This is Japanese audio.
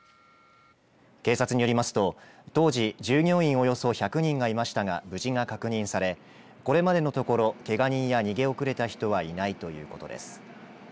警察によりますと、当時従業員およそ１００人がいましたが無事が確認されこれまでのところけが人や逃げ遅れた人はいないということです。